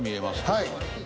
はい。